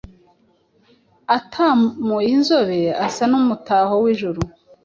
Atamuye inzobe Asa n’umutaho w’ijuru.